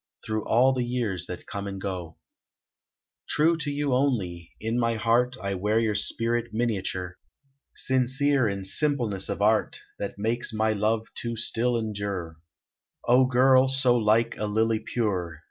Through all the years that come and go. True to you only, in my heart I wear your spirit miniature, Sincere in simpleness of art, That makes my love to still endure, O girl, so like a lily pure!